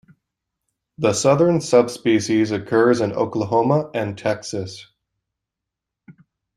The southern subspecies occurs in Oklahoma and Texas.